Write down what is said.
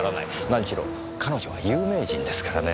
何しろ彼女は有名人ですからね。